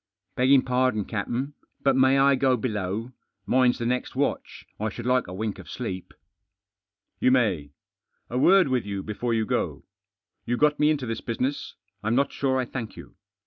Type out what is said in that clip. "Beggift' pardon, captain, but may I go below? Mine's the next watch. I should like a Wink of sleep." "You may. A word with you before you go. You got me into this business. I'm hot sure I thank you.